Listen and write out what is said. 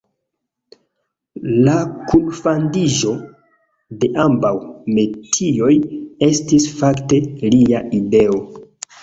La kunfandiĝo de ambaŭ metioj estis fakte lia ideo.